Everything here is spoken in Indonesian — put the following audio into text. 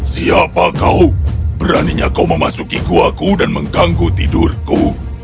siapa kau beraninya kau memasuki gua ku dan mengganggu tidurku